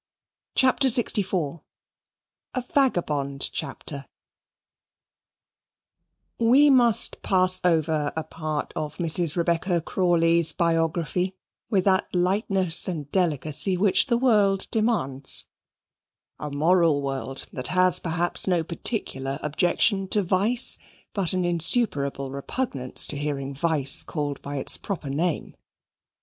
CHAPTER LXIV A Vagabond Chapter We must pass over a part of Mrs. Rebecca Crawley's biography with that lightness and delicacy which the world demands the moral world, that has, perhaps, no particular objection to vice, but an insuperable repugnance to hearing vice called by its proper name.